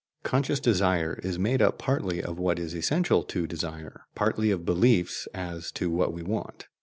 Conscious desire is made up partly of what is essential to desire, partly of beliefs as to what we want.